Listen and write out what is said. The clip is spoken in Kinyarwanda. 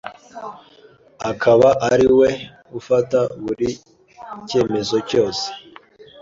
akaba ariwe ufata buri cyemezo cyose